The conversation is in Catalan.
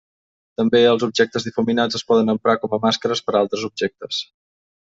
També, els objectes difuminats es poden emprar com a màscares per a altres objectes.